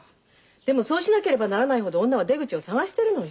でもそうしなければならないほど女は出口を探してるのよ